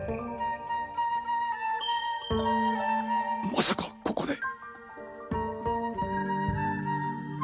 まさかここで？